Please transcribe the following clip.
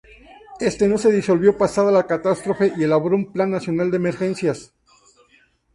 Este no se disolvió pasada la catástrofe y elaboró un Plan Nacional de Emergencias.